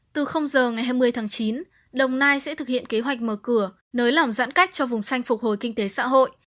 từ giờ ngày hai mươi tháng chín đồng nai sẽ thực hiện kế hoạch mở cửa nới lỏng giãn cách cho vùng xanh phục hồi kinh tế xã hội